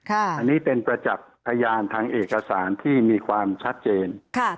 อันนี้เป็นประจักษ์พยานทางเอกสารที่มีความชัดเจน